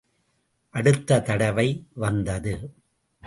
அடுத்த தடவை வந்தது.